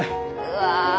うわ。